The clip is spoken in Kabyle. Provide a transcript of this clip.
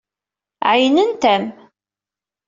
Ɛeyynent-am.